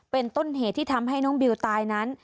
เป็นต้นเหตุที่ทำให้น้องบิวตายนั้น